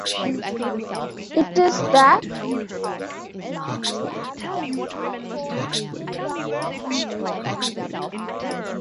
It is the ninth largest airport in Poland in terms of passenger traffic.